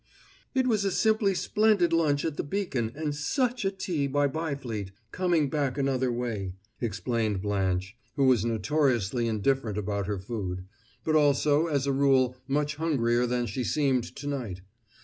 "It was a simply splendid lunch at the Beacon, and such a tea at Byfleet, coming back another way," explained Blanche, who was notoriously indifferent about her food, but also as a rule much hungrier than she seemed to night.